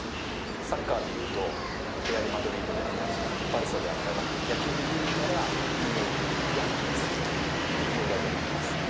サッカーでいうと、レアル・マドリードであったり、バルサであったり、野球で言うなら、ニューヨーク・ヤンキース、偉業だと思います。